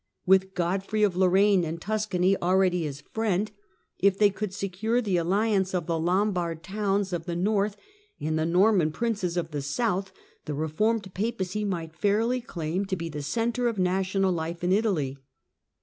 With Godfrey of Lorraine and Tuscany already their friend, if they could secure the alliance of the Lombard towns of the north and the Norman princes of the south, the reformed Papacy might fairly claim to be the centre of national life in Italy.